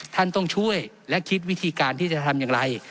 ท่านต้องช่วยและคิดวิธีการที่จะทำอย่างไร